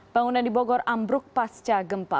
bangunan di bogor ambruk pasca gempa